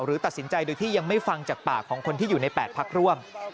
ตัดสินใจโดยที่ยังไม่ฟังจากปากของคนที่อยู่ใน๘พักร่วม